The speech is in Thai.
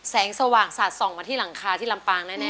สว่างสาดส่องมาที่หลังคาที่ลำปางแน่